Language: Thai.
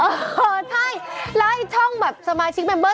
ใช่ละแล้วช่องแบบสมาชิกชิ้นแมมม์เบอร์